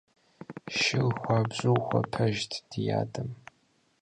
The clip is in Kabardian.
Шыр хуабжьу хуэпэжт ди адэм.